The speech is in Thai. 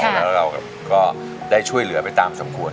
แล้วเราก็ได้ช่วยเหลือไปตามสมควร